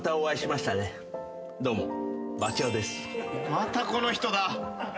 またこの人だ。